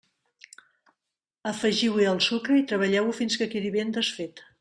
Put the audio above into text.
Afegiu-hi el sucre i treballeu-ho fins que quedi ben desfet.